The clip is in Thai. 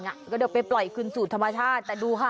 แล้วก็เดี๋ยวไปปล่อยคืนสู่ธรรมชาติแต่ดูค่ะ